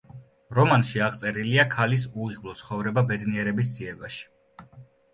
რომანში აღწერილია ქალის უიღბლო ცხოვრება ბედნიერების ძიებაში.